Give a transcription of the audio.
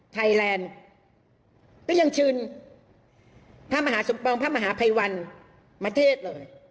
ไทยแลนด์ก็ยังเชิญพระมหาสมปองพระมหาภัยวันมาเทศเลย